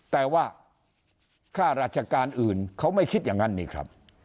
แต่ว่าค่าราชการอื่นเขาไม่คิดอย่างนั้นนี่ครับ